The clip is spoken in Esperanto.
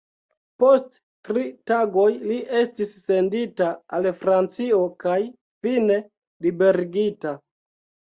Post tri tagoj li estis sendita al Francio kaj fine liberigita.